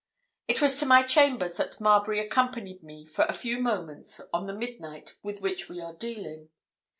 It was to my chambers that Marbury accompanied me for a few moments on the midnight with which we are dealing.